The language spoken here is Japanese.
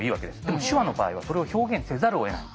でも手話の場合はそれを表現せざるをえない。